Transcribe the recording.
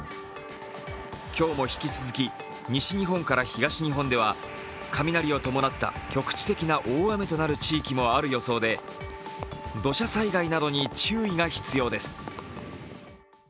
今日も引き続き、西日本から東日本では雷を伴った局地的な大雨となる地域もある予想で土砂災害などに注意が必要です。